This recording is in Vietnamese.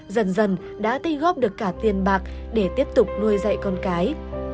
dần dần đã ti góp được cả tiền bạc để tiếp tục nuôi dạy con cái